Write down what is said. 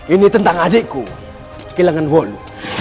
ini tentang adikku kilangan wolu